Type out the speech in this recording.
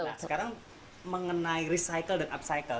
nah sekarang mengenai recycle dan upcycle